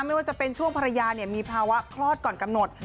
ไม่ว่าจะเป็นช่วงภรรยามีภาวะคลอดก่อนกำหนด